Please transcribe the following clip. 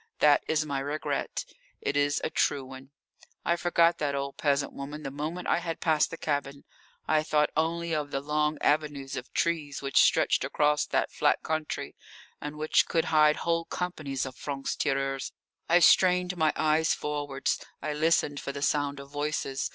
That is my regret, it is a true one. I forgot that old peasant woman the moment I had passed the cabin. I thought only of the long avenues of trees which stretched across that flat country, and which could hide whole companies of francs tireurs. I strained my eyes forwards. I listened for the sound of voices.